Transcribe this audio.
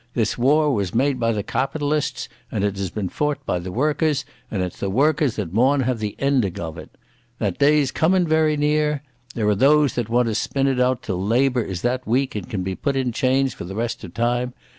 This war was made by the cawpitalists, and it has been fought by the workers, and it's the workers that maun have the ending of it. That day's comin' very near. There are those that want to spin it out till Labour is that weak it can be pit in chains for the rest o' time.